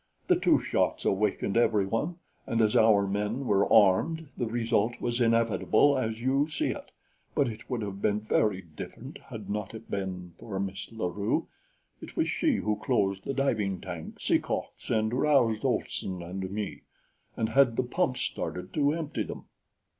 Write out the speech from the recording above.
The two shots awakened everyone, and as our men were armed, the result was inevitable as you see it; but it would have been very different had it not been for Miss La Rue. It was she who closed the diving tank sea cocks and roused Olson and me, and had the pumps started to empty them."